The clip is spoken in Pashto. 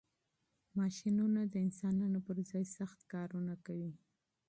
ماشینونه د انسانانو پر ځای سخت کارونه کوي.